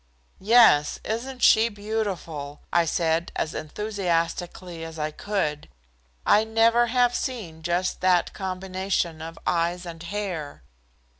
"Yes, isn't she beautiful," I said as enthusiastically as I could. "I never have seen just that combination of eyes and hair."